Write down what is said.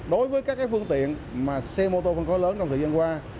đối với các phương tiện mà xe mô tô phân khối lớn trong thời gian qua